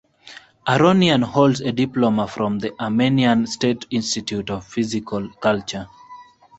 Aronian holds a diploma from the Armenian State Institute of Physical Culture.